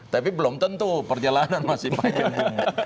tapi belum tentu perjalanan masih panjang